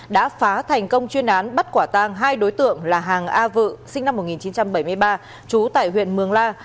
đã phá thành công chuyên án bắt quả tang hai đối tượng là hàng a vự sinh năm một nghìn chín trăm bảy mươi ba trú tại huyện mường la